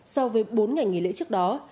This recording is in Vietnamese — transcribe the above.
so với bốn ngày nghỉ lễ trước đó